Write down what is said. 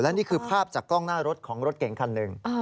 นี่คือภาพจากกล้องหน้ารถของรถเก่งคันหนึ่ง